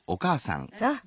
そう？